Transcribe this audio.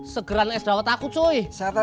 segeran es dawat aku cuy